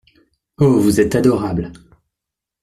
Oh ! vous êtes adorable !